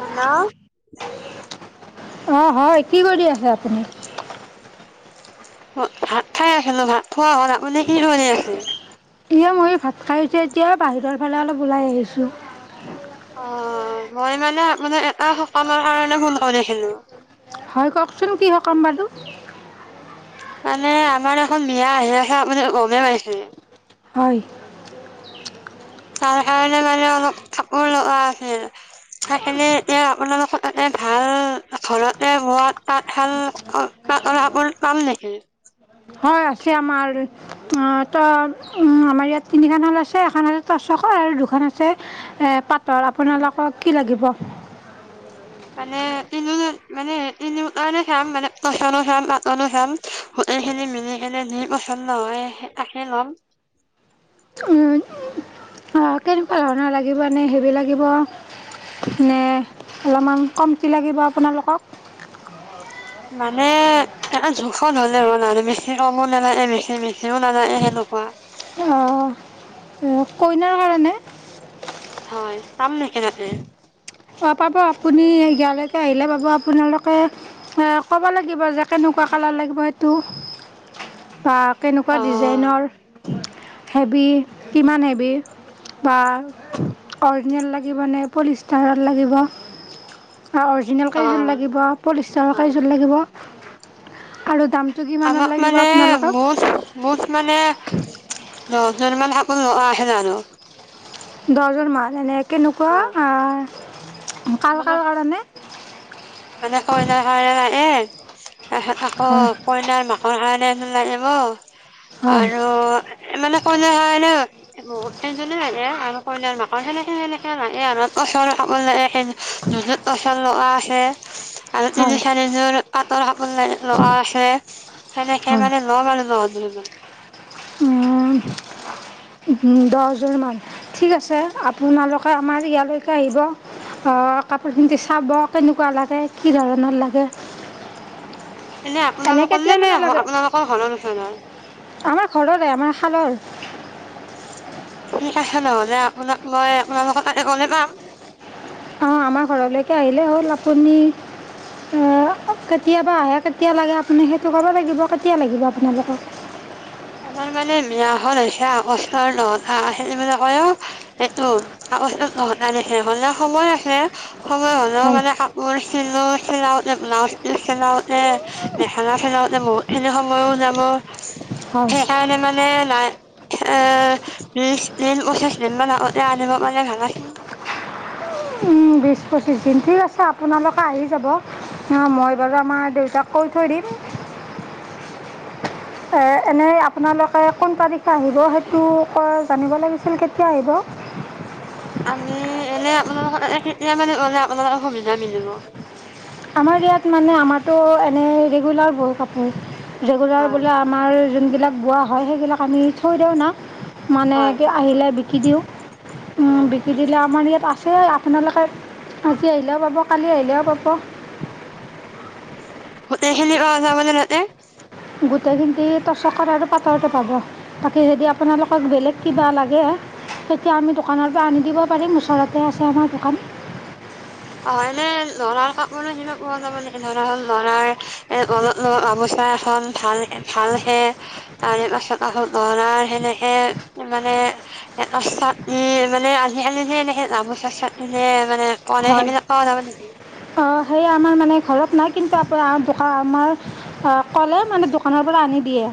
Hello অ', হয় কি কৰি আহে আপুনি? ভাত খাই আছিলো, ভাত খোৱা হ'ল আপুনি কি কৰি আছে? এয়া ময়ো ভাত খাইছো এতিয়া বাহিৰৰ ফালে অলপ ওলাই আহিছোঁ। অ', মই মানে মানে এটা সকামৰ কাৰণে ফোন কৰিছিলো। হয় কওকচোন কি সকাম বাৰু? মানে আমাৰ এখন বিয়া আহি আছে আপুনি গমেই পাইছে। হয়। তাৰ কাৰণে মানে অলপ কাপোৰ লগা আছিল সেইখিনি এতিয়া আপোনালোকৰ তাতে ভাল, ঘৰতে বোৱা তাঁতশাল পাতল কাপোৰ পাম নেকি? হয় আছে আমাৰ অ' ত' আমাৰ ইয়াত তিনিখন শাল আছে এখন হ'ল টচখৰ আৰু দুখন আছে অ পাটৰ। আপোনালোকক কি লাগিব? মানে তিনিও মানে তিনিও মানে চাম মানে টচৰো চাম পাতৰো চাম গোটেইখিনি মিলি কেনে যি পচন্দ হয় সেইখিনি লম। অ', কেনেকুৱা ধৰণৰ লাগিব এনে হেভি লাগিব? নে অলপমান কমতি লাগিব আপোনালোকক? মানে, এটা জোখৰ হলে আৰু বেছি কমো নালাগে বেছি-বেছিও নালাগে সেনেকুৱা। অ', উম, কইনাৰ কাৰণে? হয়, পাম নেকি তাতে? অ', পাব আপুনি। ইয়ালৈকে আহিলে পাব আপোনালোকে অ ক'ব লাগিব যে কেনেকুৱা কালাৰ লাগিব সেইটো বা কেনেকুৱা অ ডিজাইনৰ। হেভি, কিমান হেভি বা অৰিজিনেল লাগিব নে পলিষ্টাৰ লাগিব। অৰিজিনেল অ কেইজোৰ লাগিব? পলিষ্টাৰৰ অ কাৰজোৰ লাগিব? আৰু দাম আমাক মানে, মুঠ-মুঠ মানে দহ যোৰ মান কাপোৰ লগা আছিল আৰু দহযোৰ মান এনে এক কেনেকুৱা হয় আ' মানে কাৰ-কাৰ কাৰণে? মানে কইনা কাৰনে লাগে। [inaudible] আকৌ হয় কইনাৰ মাক মাক্ৰবকাৰনে এযোৰ লাগিব। হয় আৰু মানে কইনা কাৰনে, এজনেই লাগে আৰু কইনাৰ মাকৰ সেনেকে-সেনেকে লাগে আৰু উচৰে-পা-দুজন উচৰ লৰা আছে। [inaudible] আৰু হয় তিনি, চাৰিযোৰ কাপ [unintelligible] সনেকে মানে [unintelligible] আৰু লগ। [unintelligible] দহ যোৰমান, ঠিক আছে আপোনালোকে আমাৰ ইয়ালৈকে আহিব কাপোৰখিনি চাব কেনেকুৱা লাগে কি ধৰণৰ লাগে। [inaudible] এনে কেতিয়া আপোনালোকলৈ নে মানে লাগে আপোনালোকৰ ঘৰৰ ওচৰৰ? [inaudible] আমাৰ ঘৰৰে আমাৰ খালৰ। ঠিক আছে নহলে আপোনাক মই আপোনালোকৰ ততে গ'লে পাম। অঁ আমাৰ ঘৰলৈকে আহিলেই হ'ল আপুনি, কেতিয়াবা আহে কেতিয়া লাগে আপুনি সেইটো ক'ব লাগিব, কেতিয়া লাগিব আপোনালোকক? আমাৰ মানে বিয়াখন হৈছে আগষ্টৰ ন তাৰিখ মানে কয় অ এইটো আগস্টৰ নহটাৰিখে হলে সময় আছে। সময় হ'লেও হয় মানে কাপোৰ চিলো চিলাওতে ব্লাউজ পিল চিলাওতে মেখেলা চিলাওতে বহুত খিনি সময়ো যাব। হয় সেইকাৰণে মানে, নাই এ বিচ দিন পঁচিছ দিনমান আগতে আনিব পাৰিলে মানে ভাল আছিল। বিছ পঁচিছ দিন, ঠিক আছে আপোনালোকে আহি যাব মই বাৰু আমাৰ দেউতাক কৈ থৈ দিম। এনে আপোনালোকে কোন তাৰিখে আহিব সেইতো তো [unintelligible] জানিব লাগিছিল। আপোনি কেতিয়া আহিব? আমি এনে আপোনালোকৰ তাতে কেতিয়া মানে গ'লে আপোনালোকৰ সুবিধা মিলিব? আমাৰ ইয়াত মানে আমাৰতো এনেই ৰেগুলাৰ [unintelligible] কাপোৰ। ৰেগুলাৰ হয় বোলে আমাৰ যোন বিলাক বোৱা হয় সেইবিলাক আমি থৈ দিওঁ না। মানে হয় কি আহিলে বিকি দিওঁ, হয় বিকি দিলে আমাৰ ইয়াত আছে তোমালোকে আজি আহিলেও পাব কালি আহিলে আহিলেও পাব। গোটেইখিনি পোৱা যাবনে তাতে? গোটেইখিনি টচকৰ আৰু পাটৰটো পাব, বাকী যদি আপোনালোকক বেলেগ কিবা লাগে তেতিয়া আমি দোকানৰ পৰা আনি দিব পাৰিম, ওচৰতে আছে আমাৰ দোকান। অ এনে লৰাৰ কাপান স পোৱা য মানে লৰা হল লৰাৰ এ ঘলত গামোচা এখন ভাল ভাল হে তাৰে পাছত আহ লৰাৰ সেনেকে মানে এটা ছাতি মানে আজিকালি যে এনেকে গামোচাৰ চাটিলয় মানে কৰে হয়। সেইবিলাক পোৱা যাব নেকি অ' সেই আমাৰ অ' মানে ঘৰত নায় কিন্তু আমাৰ কলে মানে দোকানৰ পৰা আনি দিয়ে।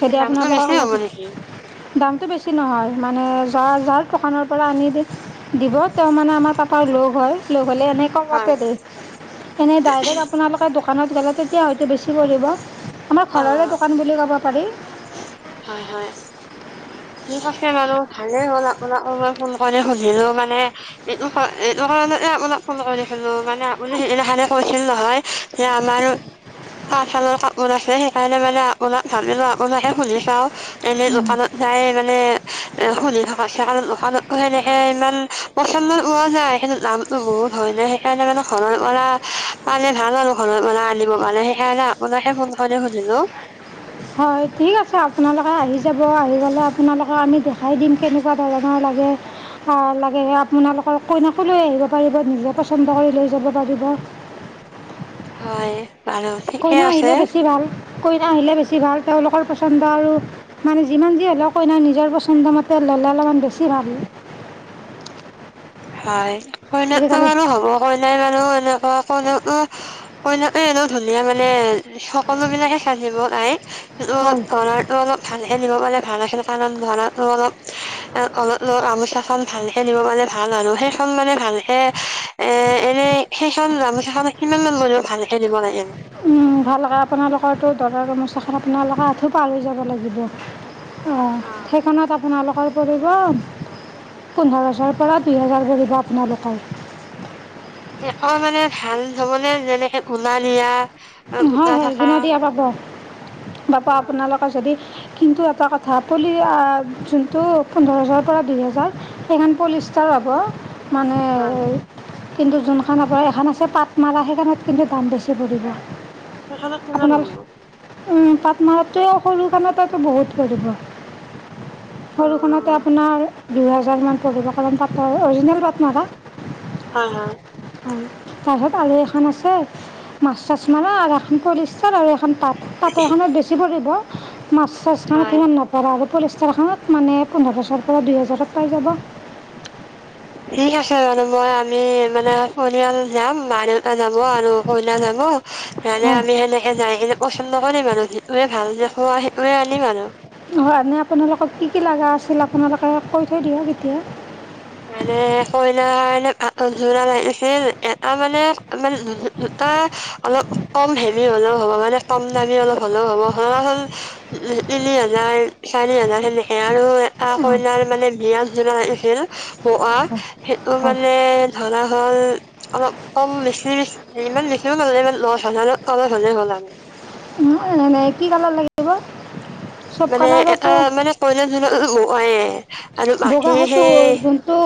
যদি দাম বোৰ আপোনালোকক বেছি হব লাগে নেকি? দামটো বেছি নহয় মানে য জাৰ দোকানৰ পৰা আনি দিয়ে তেওঁ মানে আমাৰ পাপৰ লগ হয় লগ হ'লে হয় এনেকমতে দেই এনেই ডাইৰেক্ট আপোনালোকে দোকানত গ'লে তেতিয়া হয়তো বেছি কি কৰিব? আমাৰ অ ঘৰৰে দোকান বুলি ক'ব পাৰি। হয়- হয় ঠিক আছে মানু ভালেই হ'ল আপোনাকো মই ফোন কৰি সুধিলো মানে, এইটো- এইটো কাৰণতে আপোনাক ফোন কৰিলো মানে আপুনি সেইদিনাখনে কৈছিল নহয় যে আমাৰ তাতশালৰ কাপোৰ আছে সেইকাৰণে মানে ভাবিলো আপোনাকে সুধি চাও, এনেই দোকানত যায় মানে এ সুধি থাকাতচে সেইকাৰণে দোকানত সেনেকে ইমান পচন্দৰ পোৱা যায়, কিন্তু দামটো বহুত হয় ন সেইকাৰণে মানে ঘৰৰ পৰা পালে ভাল আৰু ঘৰৰ পৰা আনিব পালে সেইকাৰণে আপোনাকে ফোন কৰি সুধিলোঁ। হয়, ঠিক আছে আপোনালোকে আহি যাব আহি পেলাই আপোনালোকক আমি দেখাই দিম কেনেকুৱা ধৰণৰ লাগে আ লাগে আপোনালোকৰ কইনাকো লৈ আহিব। পাৰিব নিজে পছন্দ কৰি লৈ যাব পাৰিব। হয়। কইনা আহিলে বেছি ভাল। কইনা আহিলে বেছি ভাল তেওঁলোকৰ পচন্দ আৰু মানে যিমান যি হ'লেও কইনা নিজৰ পচন্দমতে ল'লে অলপমান বেছি ভাল। হয়। কইনাটো আজিকালি বাৰু হ'ব কই তাই বাৰু এনেকুৱা কই কইনাটো এনে ধুনীয়া মানে সকলো বিলাকে চাজিব তাইক অলপ হয় দৰাৰ টো অলপ ভালে নিব পালে ভাল আছিল কাৰণ দৰাটো অলপ- অলপ [unintelligible] গামোছাখন ভালকে নিব পালে ভাল আৰু সেইখন মানে ভালকে এ এনে সেইখন গামোছাখন কিমান মান ল'লে ভালকে দিব লাগিল উম, ভালকে আপোনালোকৰ দৰাৰ গামোচাখন আপোনালোকৰ আঁঠু পাৰ হৈ যাব লাগিব। অঁ, সেইখনত আপোনালোক [unintelligible] পৰিব, পোন্ধৰ হেজাৰৰ পৰা দুই হেজাৰ পৰিব আপোনালোকৰ। অঁ মানে ভাল ধৰণে যেনেকে গুনা দিয়া গোটা হয়- হয় থকা গুনা দিয়া পাব, বাপা আপোনালোকৰ যদি কিন্তু এটা কথা, পলি অ যোনটো পোন্ধৰ হেজাৰৰ পৰা দুই হেজাৰ সেইখন পলিষ্টাৰ হ'ব মানে হয় কিন্তু যোনখান আপোনা এখন আছে পাটমালা সেইখনত কিন্তু দাম বেছি পৰিব। সেইখনত কিমান ল' ব। উম, পাটমাৰতটো সৰু খনতে বহুত পৰিব। অ সৰুখনতে আপোনাৰ দুই হাজাৰ মান পৰিব, কাৰণ পাতৰ অৰিজিনেল পাটমৰা, হয় হয় তাৰপিছত আৰু এখন আছে মাছ চাছ মাৰা [unintelligible] পলিষ্টাৰ আৰু এখন পাত পাতৰখনত বেছি পৰিব, মাছ চাছখনত হয় সিমান নপৰে আৰু পলিষ্টাৰখনত মানে পোন্ধৰচৰ পৰা দুই হেজাৰত পাই যাব। ঠিক আছে বাৰু মই আমি মানে পৰিয়াল যাম, মা দেউতা যাব আৰু কইনা যাব মানে হয় আমি সেনেকে যায় কেনে পচন্দ কৰিম আৰু কি টোৱে ভাল দেখুওৱা সেইটোৱে আনিম আৰু। হয়, এনে আপোনালোকক কি- কি লাগা আছিল, আপোনালোকে কৈ থৈ দিয়ক এতিয়া। মানে কইনাৰ কাৰণে পাতৰ যোৰা লাগিছিল এটা মানে- মানে দুটা অলপ কম হেৰী হ'লেও হ'ব মানে কম দামী অলপ হলেও হ'ব, ধৰা হ'ল তিনি হাজাৰ চাৰি হাজাৰ সেনেকে আৰু এটা অঁ হয় কইনাৰ মানে বিয়া জোৰা লাগিছিল বগা সেইটো মানে ধৰা হ'ল অলপ কম বেছি ইমান বেছিও নালাগে ইমান দচ হাজাৰ অলপ কমত হ'লে হ'ল আৰু। নাই -নাই কি কালাৰ লাগিব। চব মানে এটা কালাৰেতো মানে কইনাৰ [unintelligible] [inaudible] বগা হয়তো যোনটোু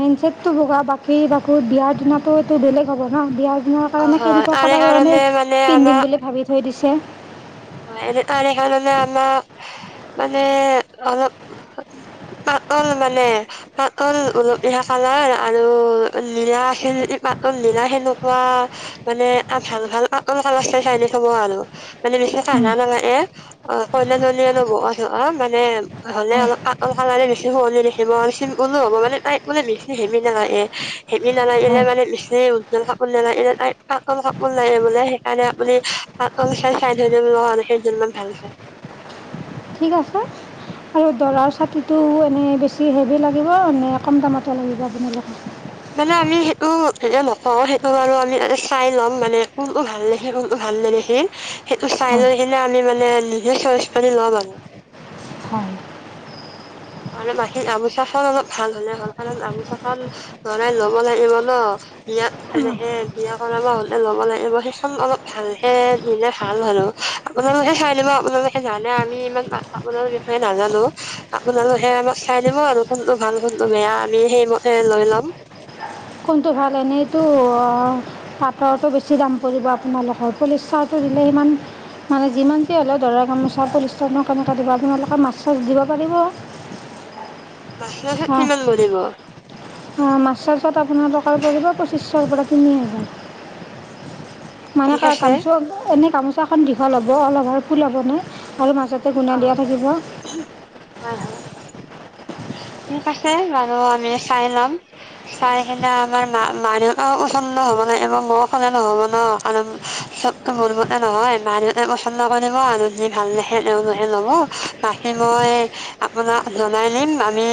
মেইনচেটটো বগা বাকী ৰাখো বিয়াৰ দিনটো এইটো বেলেগ হ'ব ন বিয়াৰ অ কাৰণে হয় কেনেকুৱা তাৰে কালাৰ কাৰণে মানে পিন্ধিম বুলি ভাবি থৈ দিছে হয় এনে ত সেইকাৰণে আমাক মানে অলপ পাতল মানে পাতল উলপহা কালাৰ আৰু নীলা খ পাতল নীলা সেনেকুৱা মানে ভাল ভাল পাতল কালাৰ চাই চাই থ আৰু মানে বিশেষ কা [unintelligible] উম, নালাগ [unintelligible] এ অ কইনা ধল [unintelligible] অল [unintelligible] ব অ মানে হলে হয় অলপ কাটন [unintelligible] কালাৰ বেছি সুৱলি [unintelligible] নখিব [unintelligible] চিমুলো হ'ব মানে তাইত [unintelligible] মানে বিেছি হেমি [unintelligible] নালাগে হেমি নালাগে হয় মানে বিেছি উন কাপোৰ নালাগে তাই [unintelligible] কাটন কাপোৰ লাগে বোলে সেইকাৰণে আপুনি কাটন চাই চাই থ [unintelligible] া [unintelligible] সেজনমান ভাল চায় ঠিক আছে আৰু দৰাৰ ছাতিটো এনেই বেছি হেভি লাগিব নে কম দামতে লাগিব আপোনালোকক মানে আমি সেইটো হে নকওঁ সেইটো বাৰু আমি ত চাই ল'ম মানে কোনটো ভাল নেখি কোনটো ভাল নেদেখি সেইটো চাই হয় লৈ কিনে আমি মানে নিজ চইচ ল'ম আৰু হয় আৰু মখীৰ গামোচা চল অলপ ভাল হলে হল কাৰণ গামোচা চল লৰাই লব লাগিব ন বিয়াত উম, এনেকে বিয়া কৰা হলে লব লাগিব সেইখন অলপ ভালহে নিলে ভাল হ আপোনালোকে চাই লব আপোনালোকে জানে আমি ইমান মাতাপ বিষয়ে নাজানো আপোনালোকহে আমাক খাই দিব আৰু ফোনটো ভাল ফোনটো বেয়া আমি সেইমতে লৈ ল'ম কোনটো ভাল এনেইতটো পাটতো বেছি দাম পৰিব আপোনালোকৰ পলিষ্টাৰটো দিলে সিমান মানে যিমান যি হ'লেও দৰা গামোচা পলিষ্টাৰটো [unintelligible] কেনেকৈ দিব আপোনালোকে মাছ চাছ দিব পাৰিব মাখ মাখত [unintelligible] কিমান মনব [unintelligible] অঁ মাছ চাছত আপোনাৰ টকাৰ পৰিব পঁচিছশৰ পৰা তিনি হাজাৰ মানে ঠিক ক আছে কামচো এনেই কাম চকখন দীঘল হ'ব অলপ আৰু ফুল হ'ব ন আৰু মাাজতে অ গুণা দিয়া থাকিব হয় হয় ঠিক আছে বাৰু আমি চাই লম চাই কিনে আমাৰ মা মানহ প্ৰচন হব নবাৰ ম কনে নহ'ব ন কাৰণ চব মোৰ মতে নহয় মানহ প্ৰচন কৰিব আৰু যি ভাল দেখে এলহে লব বাকী মই আপোনাক জনাই দিম আমি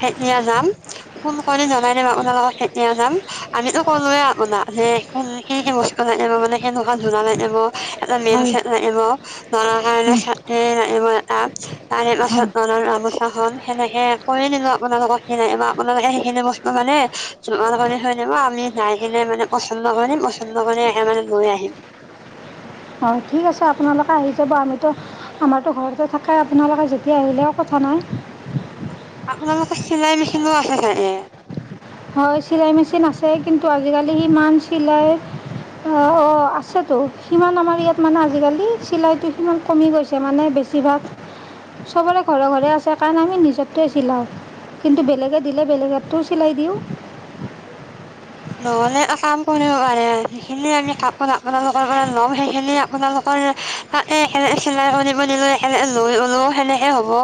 খেতিয়া যাম ফুল ক জনাই দিম আপোনাৰ লগত খেতিয়া যাম আমিতো কলোয়ে আপোনাক যে ফুল কি কি মস্ক নিব মানে সনেকুৱা ধনা ননিব এটা মেইন হয় খে নিব ধৰাাৰ কাৰণে উম, [unintelligible] হয় পাছত [unintelligible] গামোচাখন সেনেকে কৰি নিিলো আপোনালোকক কি নিব আপোনালোকে সেইখিনি বস্তু মানে যোগাৰ কৰি থৈ দিব আমি যাই কিনে মানে পচন্দ কৰিম পচন্দ কৰি মানে লৈ আহিম হয় ঠিক আছে আপোনালোকে আহি যাব আমিতো আমাৰতো ঘৰতে থাকে আপোনালোকে যেতিয়া আহিলেও কথা নাই আপোনালোকৰ চিলাই মেচিনো আছে চাগে হয় চিলাই মেচিন আছে আছে কিন্তু আজিকালি সিমান চিলাই অঁ আছেতো সিমান আমাৰ ইয়াত মানে আজিকালি চিলাইটো সিমান কমি গৈছে মানে বেছিভাগ চবৰে ঘৰে ঘৰে আছে কাৰণ আমি নিজতোৱে চিলাওঁ কিন্তু বেলেগে দিলে বেলেগো চিলাই দিওঁ নহ'লে এটা কাম কৰিব পাৰে যিখিনি আমি কাপোৰ আপোনালোকৰ পৰা ল'ম সেইখিনি আপোনালোকৰ ত চিলাই কৰি নিলৈ লৈ ওলো সেনেকে হ'ব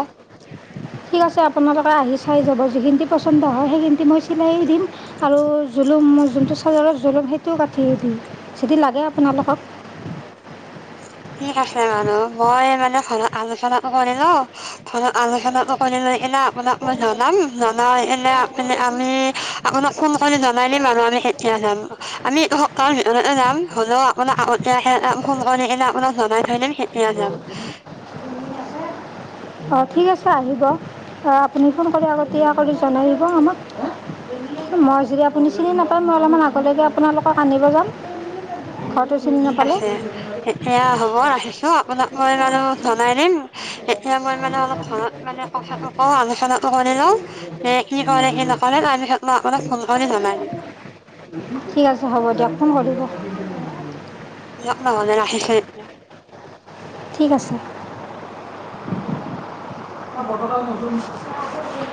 ঠিক আছে আপোনালোকে আহি চাই যাব যিখিনি পচন্দ হয় সেইখিনি মই চিলাই দিম আৰু জোলোম মই যোনটো চাৰ্জাৰত জোলোম সেইটোও কাটিয় দিম যদি লাগে আপোনালোকক ঠিক আছে মানুহ মই মানে ঘৰত আলোচনাটো কৰিলো ঘৰত আলোচনাাতটো কৰি লৈ এনা আপোনাক মই জনাম জনাইলে আপ আমি আপোনাক ফোন কৰি জনাই দিি মানুহ আমি এতিয়া যাম আমি সপ্তাহৰ ভিতৰতে যাম হলেও আপোনাক [unintelligible] ফোন কৰি এলাম আপাক জনাই থৈ নে সেইয়া যাব অঁ ঠিক আছে আহিব অ আপুনি ফোন কৰি আগতীয়া কৰি জনাই দিব আমাক মই যদি আপুনি চিনি নাপায় মই অলপমান আগলৈকে আপোনালোকক আনিব যাম ঘৰটো চিনি ঠিক নাপালে আছে এয়া হ'ব ৰাখিছো আপোনাক মই মানে জনাই দিম এতিয়া মই মানে অলপ ঘৰত মানে কথাটো কওঁ আলোচনাটো শ লওঁ এ কি কৰে কি নকৰে আমি মই আপোনাক ফোন কৰি জনাই দিম ঠিক আছে হ'ব দিয়ক ফোন কৰিব [unintelligible] দিয়ক নহলে ৰাখিছোঁ এতিয়া ঠিক আছে উম স [unintelligible]